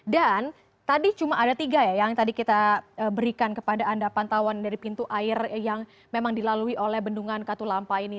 dan tadi cuma ada tiga ya yang tadi kita berikan kepada anda pantauan dari pintu air yang memang dilalui oleh bendungan katulampa ini